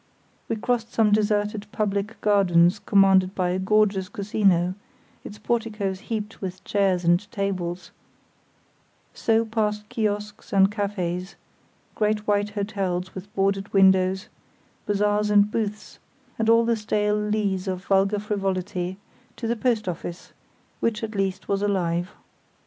We crossed some deserted public gardens commanded by a gorgeous casino, its porticos heaped with chairs and tables; so past kiosques and cafés, great white hotels with boarded windows, bazaars and booths, and all the stale lees of vulgar frivolity, to the post office, which at least was alive.